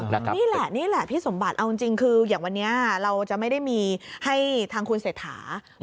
นี่แหละนี่แหละพี่สมบัติเอาจริงคืออย่างวันนี้เราจะไม่ได้มีให้ทางคุณเศรษฐา